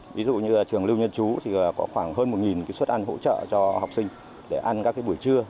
ví dụ như trường lưu nhân chú có khoảng hơn một suất ăn hỗ trợ cho học sinh để ăn các buổi trưa